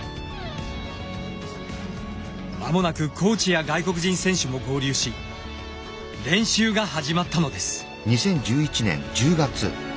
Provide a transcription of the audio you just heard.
間もなくコーチや外国人選手も合流し練習が始まったのです。